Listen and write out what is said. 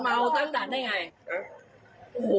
เมาตั้งด่านใจเย็นเหรอ